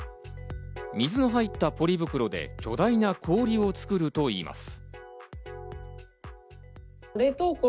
水の入ったポリ袋で巨大な氷を作るといいます。